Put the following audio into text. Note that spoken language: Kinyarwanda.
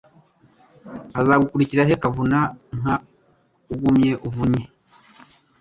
Azagukirira he Kavuna-nka, ugumye uvunye